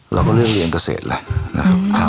เราก็เริ่มเรียนเกษตรแล้วนะครับ